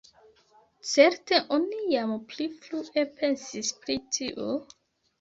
Certe oni jam pli frue pensis pri tio?